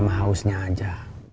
sama hausnya aja